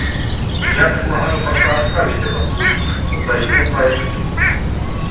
Я предлагаю пока оставить этот пункт до его прояснения.